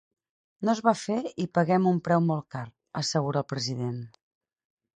No es va fer i paguem un preu molt car, assegura el president.